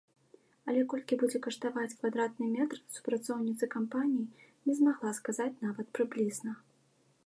Але колькі будзе каштаваць квадратны метр, супрацоўніца кампаніі не змагла сказаць нават прыблізна.